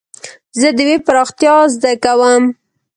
زه د ويب پراختيا زده کوم.